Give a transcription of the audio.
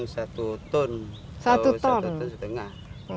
satu ton satu ton setengah